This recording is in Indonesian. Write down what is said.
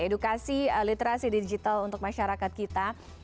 edukasi literasi digital untuk masyarakat kita